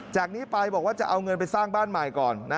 จากนี้ไปบอกว่าจะเอาเงินไปสร้างบ้านใหม่ก่อน